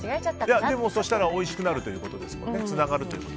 でも、そうしたらおいしくなるということですものね。